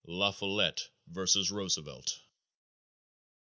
_La Follette vs. Roosevelt.